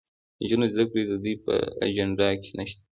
د نجونو زدهکړه د دوی په اجنډا کې نشته.